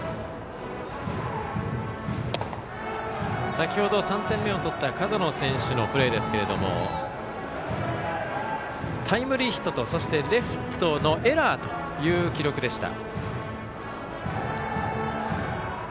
先程、３点目を取った門野選手のプレーですがタイムリーヒットとレフトのエラーという記録でした。